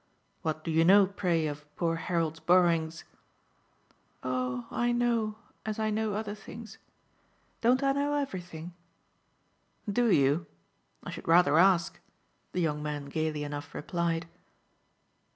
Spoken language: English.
"What do you know, pray, of poor Harold's borrowings?" "Oh I know as I know other things. Don't I know everything?" "DO you? I should rather ask," the young man gaily enough replied.